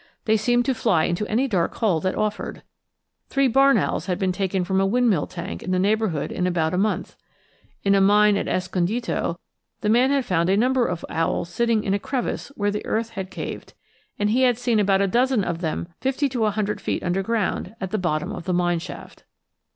They seemed to fly into any dark hole that offered. Three barn owls had been taken from a windmill tank in the neighborhood in about a month. In a mine at Escondido the man had found a number of owls sitting in a crevice where the earth, had caved; and he had seen about a dozen of them fifty to a hundred feet underground, at the bottom of the mine shaft.